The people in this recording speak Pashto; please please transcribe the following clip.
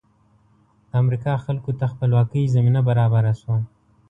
د امریکا خلکو ته خپلواکۍ زمینه برابره شوه.